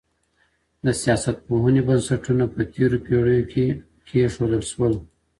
د سياست پوهني بنسټونه په تېرو پېړيو کي کېښودل سول.